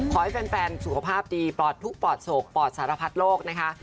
ขอให้แฟนสุขภาพดีปลอดทุกข์ปลอดโศกปลอดสารพัดโลกนะคะ